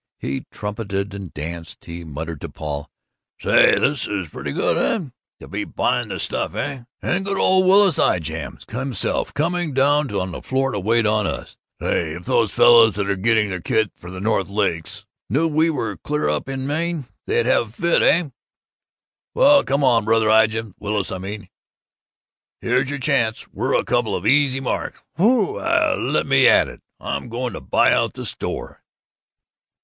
He trumpeted and danced. He muttered to Paul, "Say, this is pretty good, eh? To be buying the stuff, eh? And good old Willis Ijams himself coming down on the floor to wait on us! Say, if those fellows that are getting their kit for the North Lakes knew we were going clear up to Maine, they'd have a fit, eh?... Well, come on, Brother Ijams Willis, I mean. Here's your chance! We're a couple of easy marks! Whee! Let me at it! I'm going to buy out the store!"